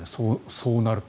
そうなると。